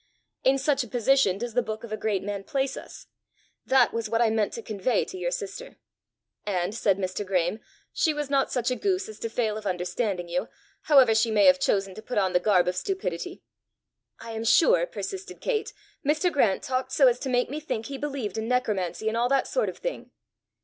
In such a position does the book of a great man place us! That was what I meant to convey to your sister." "And," said Mr. Graeme, "she was not such a goose as to fail of understanding you, however she may have chosen to put on the garb of stupidity." "I am sure," persisted Kate, "Mr. Grant talked so as to make me think he believed in necromancy and all that sort of thing!"